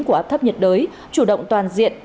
của áp thấp nhiệt đới chủ động toàn diện